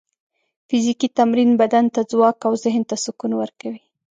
فزیکي تمرین بدن ته ځواک او ذهن ته سکون ورکوي.